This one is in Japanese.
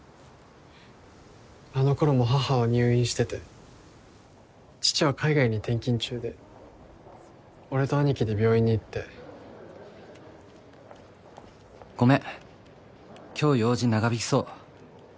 あの頃も母は入院してて父は海外に転勤中で俺と兄貴で病院に行って「ごめん今日用事長引きそう」